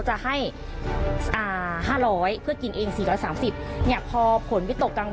ดีกว่า